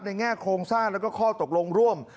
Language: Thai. แง่โครงสร้างแล้วก็ข้อตกลงร่วม